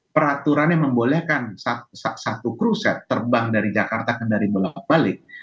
peraturannya membolehkan satu kruset terbang dari jakarta kendari bolak balik